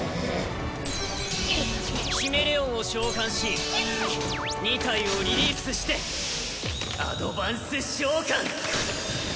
ヒメレオンを召喚し２体をリリースしてアドバンス召喚！